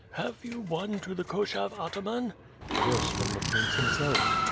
"Have you one to the Koshov Ataman?" ^TTes, from the prince himself."